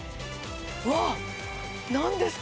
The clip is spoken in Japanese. うわっ、なんですか？